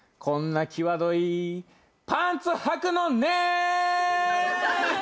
こんな際どいパンツはくのね！